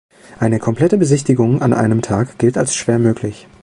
Eine komplette Besichtigung an einem Tag gilt als schwer möglich.